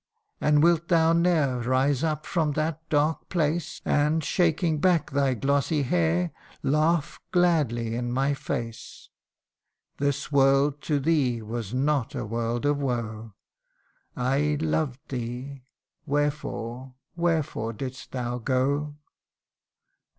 and wilt thou ne'er Rise up from that dark place, And, shaking back thy glossy hair, Laugh gladly in my face ? CANTO III. 123 This world to thee was not a world of woe : I loved thee wherefore, wherefore didst thou go